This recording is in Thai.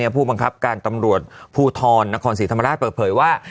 ผู้บังคับการตำรวจภูทรนครศรีธรรมราชเปิดเผยว่า